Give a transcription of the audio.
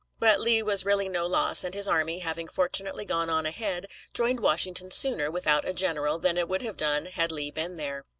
But Lee was really no loss, and his army, having fortunately gone on ahead, joined Washington sooner without a general than it would have done had Lee been there.